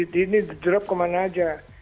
di drop kemana aja